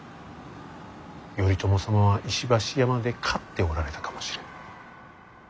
頼朝様は石橋山で勝っておられたかもしれぬ。